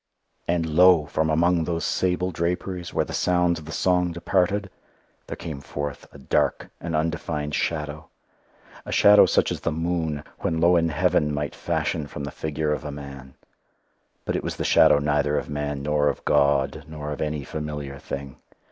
And lo! from among those sable draperies, where the sounds of the song departed, there came forth a dark and undefiled shadow a shadow such as the moon, when low in heaven, might fashion from the figure of a man: but it was the shadow neither of man nor of God, nor of any familiar thing.